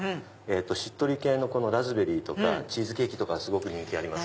しっとり系のラズベリーとかチーズケーキとか人気あります。